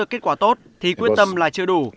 kết quả tốt thì quyết tâm là chưa đủ